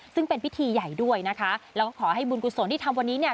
ซึ่งเป็นพิธีใหญ่ด้วยนะคะแล้วก็ขอให้บุญกุศลที่ทำวันนี้เนี่ย